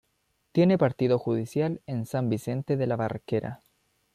Tiene partido judicial en San Vicente de la Barquera.